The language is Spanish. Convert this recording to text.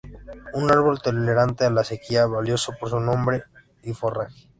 Un árbol tolerante a la sequía, valioso por su sombra y forraje.